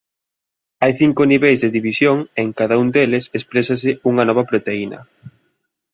Hai cinco niveis de división e en cada un deles exprésase unha nova proteína.